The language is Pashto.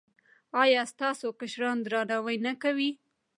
ایا ستاسو کشران درناوی نه کوي؟